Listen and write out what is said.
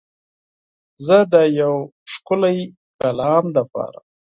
زه د یو ښکلی کلام دپاره